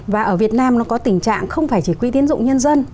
và ở việt nam nó có tình trạng không phải chỉ quỹ tiến dụng nhân dân